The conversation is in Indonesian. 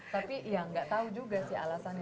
tapi ya gak tau juga sih alasannya